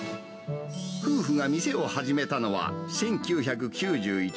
夫婦が店を始めたのは１９９１年。